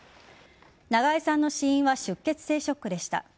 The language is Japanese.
長江さんの死因は出血性ショックでした。